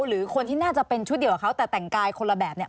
หรือคนที่น่าจะเป็นชุดเดียวกับเขาแต่แต่งกายคนละแบบเนี่ย